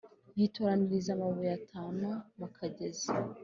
yitoraniriza amabuyenge atanu mu kagezi